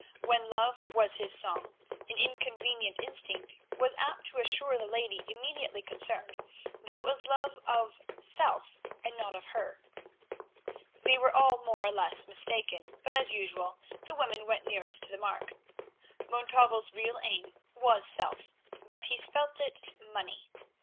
When love was his song an inconvenient instinct was apt to assure the lady immediately concerned that it was love of self and not of her. They were all more or less mistaken, but, as usual, the women went nearest to the mark. Montalvo's real aim was self, but he spelt it, Money.